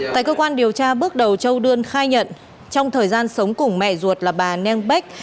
tại cơ quan điều tra bước đầu châu đơn khai nhận trong thời gian sống cùng mẹ ruột là bà neng bách